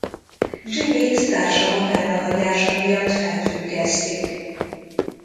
Jimmyt társa magára hagyása miatt felfüggesztik.